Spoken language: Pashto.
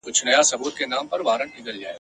له لاهور تر پاني پټه غلیمان مي تار په تار کې ..